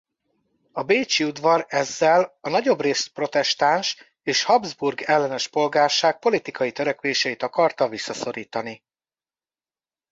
A bécsi udvar ezzel a nagyobbrészt protestáns és Habsburg-ellenes polgárság politikai törekvéseit akarta visszaszorítani.